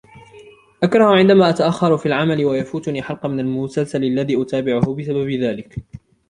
أكره عندما أتأخر في العمل و يفوتني حلقة من المسلسل الذي أتابعه بسبب ذلك.